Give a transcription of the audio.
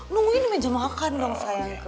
nungguin meja makan dong sayang